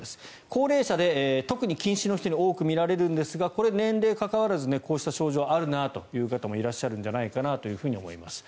高齢者で特に近視の人に多く見られるんですがこれ、年齢関わらずこうした症状があるという方もいらっしゃるんじゃないかなと思います。